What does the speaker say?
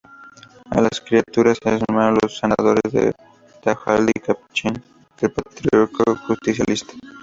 A las críticas se sumaron los senadores Duhalde y Capitanich, del Partido Justicialista.